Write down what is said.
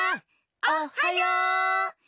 おっはよ！